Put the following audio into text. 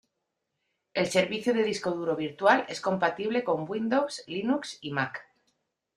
El servicio de disco duro virtual es compatible con Windows, Linux y Mac.